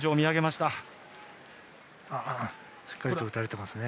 しっかり打たれていますね。